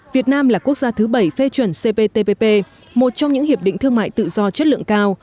việt nam là quốc gia thứ bảy phê chuẩn cptpp một trong những hiệp định thương mại tự do chất lượng cao